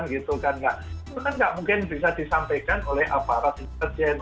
itu kan nggak mungkin bisa disampaikan oleh aparat intelijen